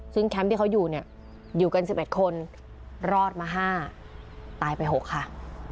ซึ่งแคมป์ที่เขาอยู่เนี่ยอยู่กัน๑๑คนรอดมา๕ตายไป๖ค่ะ